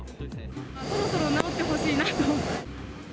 そろそろ直ってほしいなと。